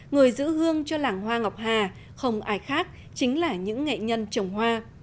người giữ hương cho làng hoa ngọc hà không ai khác chính là những nghệ nhân trồng hoa